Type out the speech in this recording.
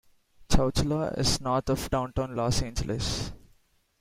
Chowchila is north of Downtown Los Angeles.